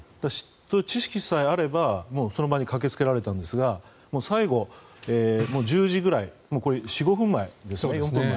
知識さえあればその場に駆けつけられたんですが最後、１０時くらい４５分前ですね。